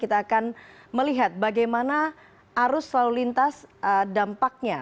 kita akan melihat bagaimana arus lalu lintas dampaknya